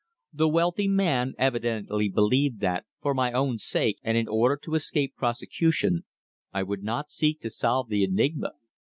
The wealthy man evidently believed that, for my own sake and in order to escape prosecution, I would not seek to solve the enigma.